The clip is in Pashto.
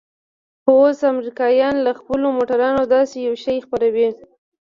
خو اوس امريکايان له خپلو موټرانو داسې يو شى خپروي.